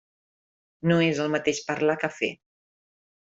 No és el mateix parlar que fer.